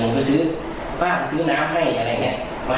มาให้กินน่ะ